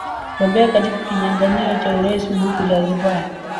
gombea katika kinyanganyiro cha urais huku zanzibar